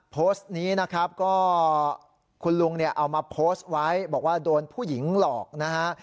โพสต์นี้นะครับก็คุณลุงเนี่ยเอามาโพสต์ไว้บอกว่าโดนผู้หญิงหลอกนะฮะ